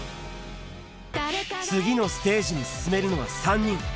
次のステージに進めるのは３人。